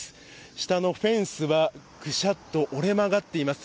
下のフェンスはぐしゃっと折れ曲がっています。